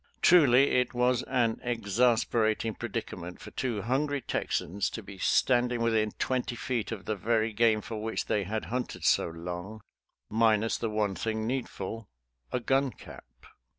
Truly it was an exasperating predica ment for two hungry Texans to be standing within twenty feet of the very game for which they had hunted so long, minus the one thing needful — a, gun cap.